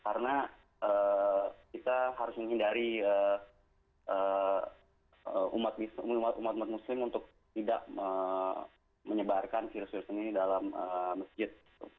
karena kita harus menghindari umat umat muslim untuk tidak menyebarkan virus virus ini dalam masjid